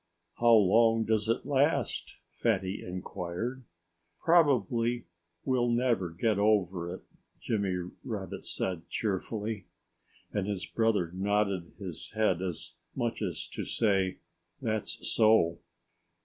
"How long does it last?" Fatty inquired. "Probably we'll never get over it," Jimmy Rabbit said cheerfully. And his brother nodded his head, as much as to say, "That's so!"